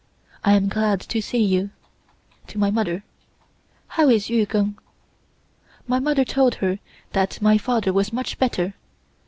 I am glad to see you (to my mother). How is Yu Keng?" My mother told her that my father was much better.